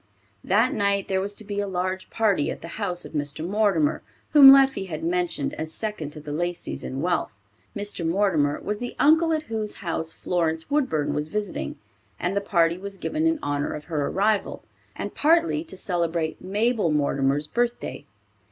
That night there was to be a large party at the house of Mr. Mortimer, whom Leffie had mentioned as second to the Laceys in wealth. Mr. Mortimer was the uncle at whose house Florence Woodburn was visiting, and the party was given in honor of her arrival, and partly to celebrate Mabel Mortimer's birthday.